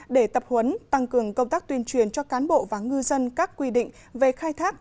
để tập huấn tăng cường công tác tuyên truyền cho cán bộ và ngư dân các quy định về khai thác